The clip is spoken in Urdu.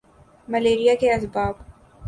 ملیریا کے اسباب